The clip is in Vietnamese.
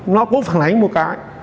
nó có phản ánh một cái